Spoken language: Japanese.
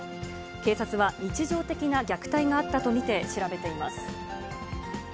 警察は日常的な虐待があったと見て調べています。